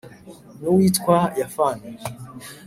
N'uwitwa Yafani